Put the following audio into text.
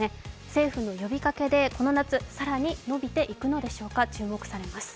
政府の呼びかけでこの夏、更に伸びていくのでしょうか、注目されます。